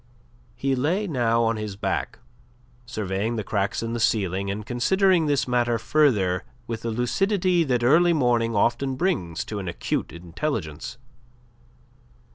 He lay now on his back, surveying the cracks in the ceiling and considering this matter further with the lucidity that early morning often brings to an acute intelligence.